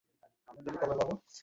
গিয়ে সুদালাইকে নিয়ে আয়।